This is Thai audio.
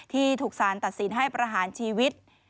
ที่ถูกสารตัดสินให้ประหารชีวิต